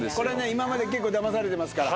今まで結構ダマされてますから。